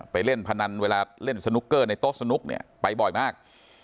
เล่นพนันเวลาเล่นสนุกเกอร์ในโต๊ะสนุกเนี่ยไปบ่อยมาก